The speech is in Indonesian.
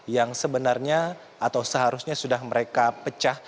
yang sebenarnya atau seharusnya sudah mereka pecah